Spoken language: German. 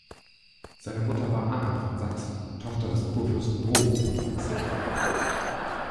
Seine Mutter war Anna von Sachsen, Tochter des Kurfürsten Moritz von Sachsen.